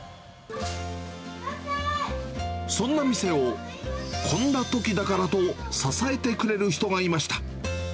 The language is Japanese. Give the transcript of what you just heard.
そんな店を、こんなときだからと支えてくれる人がいました。